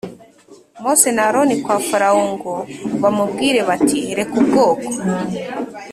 Mose na Aroni kwa Farawo ngo bamubwire bati reka ubwoko